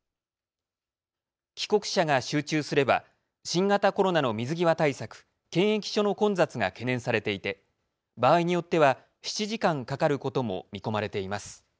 帰国者が集中すれば新型コロナの水際対策、検疫所の混雑が懸念されていて場合によっては７時間かかることも見込まれています。